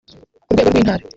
ku rwego rw’Intara